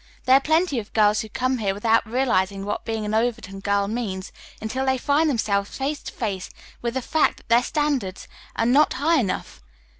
There are plenty of girls who come here without realizing what being an Overton girl means, until they find themselves face to face with the fact that their standards are not high enough.